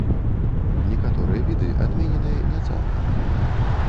Некаторыя віды адмененыя не цалкам.